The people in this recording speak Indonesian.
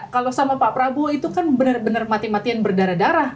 kalau sama pak prabowo itu kan benar benar mati matian berdarah darah